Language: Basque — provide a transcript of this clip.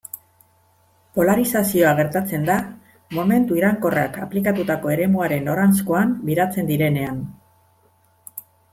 Polarizazioa gertatzen da momentu iraunkorrak aplikatutako eremuaren noranzkoan biratzen direnean.